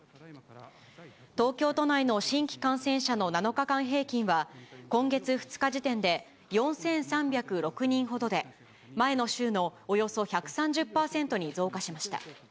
東京都内の新規感染者の７日間平均は、今月２日時点で４３０６人ほどで、前の週のおよそ１３０％に増加しました。